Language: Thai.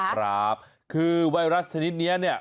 ครับคือไวรัสชนิดนี้เนี่ย